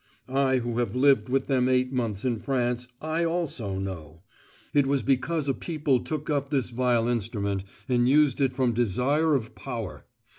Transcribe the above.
I who have lived with them eight months in France, I also know. It was because a people took up this vile instrument and used it from desire of power.